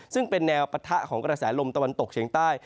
ซึ่งเป็นแนวปะทะของกระแสลมตะวันตกเฉียงใต้